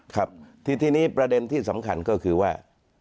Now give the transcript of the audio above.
ครับทีนี้ประเด็นที่สำคัญก็คือว่า